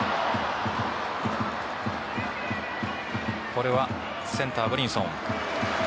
これはセンター・ブリンソン。